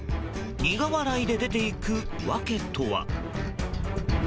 苦笑いで出ていく訳とは。